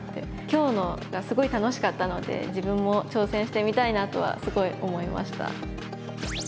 今日のがすごい楽しかったので自分も挑戦してみたいなとはすごい思いました。